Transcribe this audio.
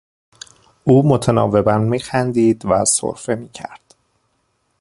او متناوبا میخندید و سرفه میکرد.